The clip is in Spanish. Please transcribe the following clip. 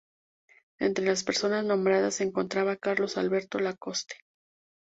Entre las personas nombradas se encontraba Carlos Alberto Lacoste.